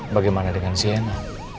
bagaimana dengan sienna